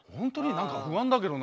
何か不安だけどな。